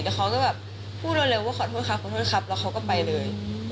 แล้วเขาก็แบบพูดเร็วว่าขอโทษครับแล้วเขาก็ไปเลย